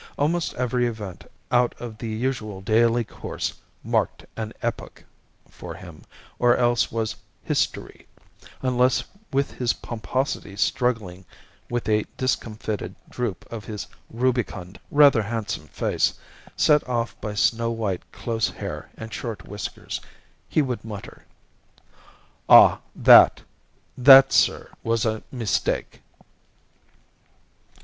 Almost every event out of the usual daily course "marked an epoch" for him or else was "history"; unless with his pomposity struggling with a discomfited droop of his rubicund, rather handsome face, set off by snow white close hair and short whiskers, he would mutter "Ah, that! That, sir, was a mistake."